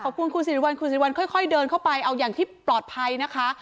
ขอบคุณคุณสิริวัลคุณสิริวัลค่อยเดินเข้าไปเอาอย่างที่ปลอดภัยนะคะ